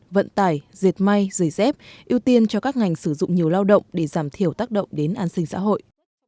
vận tải dệt may giày dép ưu tiên cho các ngành sử dụng nhiều lao động để giảm thiểu tác động đến an sinh xã hội